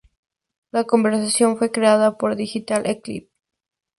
La conversión fue creada por Digital Eclipse.